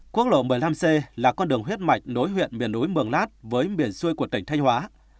quốc lộ một mươi năm c là con đường huyết mạch nối huyện miền núi mường lát với miền xuôi của tỉnh thanh hóa